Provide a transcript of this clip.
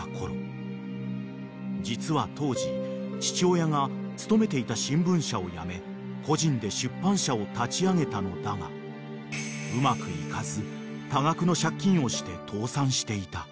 ［実は当時父親が勤めていた新聞社を辞め個人で出版社を立ち上げたのだがうまくいかず］